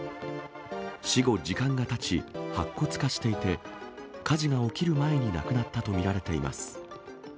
死後時間がたち、白骨化していて、火事が起きる前に亡くなったと見られています。